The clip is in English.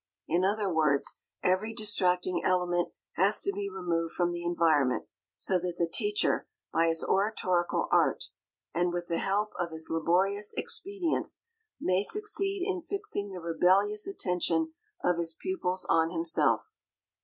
In other words, every distracting element has to be removed from the environment, so that the teacher, by his oratorical art, and with the help of his laborious expedients, may succeed in fixing the rebellious attention of his pupils on himself.